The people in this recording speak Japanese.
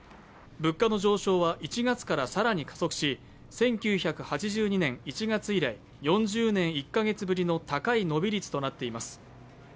物価の上昇は１月以来さらに加速し１９８２年１月以来４０年１カ月ぶりの高い伸び率となっています。